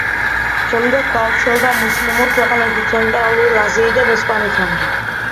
შემდეგ გავრცელდა მუსლიმურ ქვეყნებში ცენტრალური აზიიდან ესპანეთამდე.